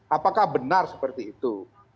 apakah benar seperti itu